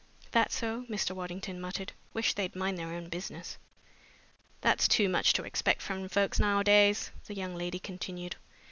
"That so?" Mr. Waddington muttered. "Wish they'd mind their own business." "That's too much to expect from folks nowadays," the young lady continued.